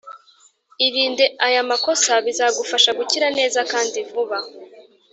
irinde aya makosa bizagufasha gukira neza kandi vuba